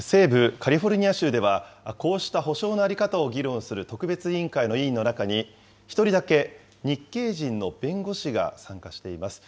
カリフォルニア州では、こうした補償の在り方を議論する特別委員会の委員の中に、１人だけ日系人の弁護士が参加しています。